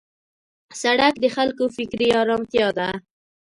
سړک د خلکو فکري آرامتیا ده.